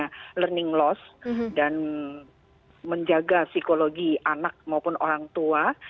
karena learning loss dan menjaga psikologi anak maupun orang tua